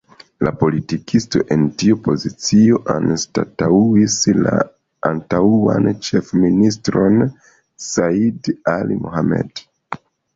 La politikisto en tiu pozicio anstataŭis la antaŭan ĉefministron Said Ali Mohamed.